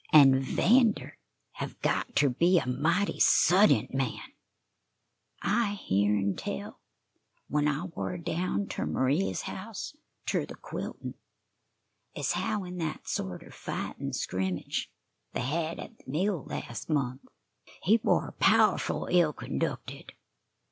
"An' 'Vander hev got ter be a mighty suddint man. I hearn tell, when I war down ter M'ria's house ter the quiltin', ez how in that sorter fight an' scrimmage they hed at the mill las' month, he war powerful ill conducted.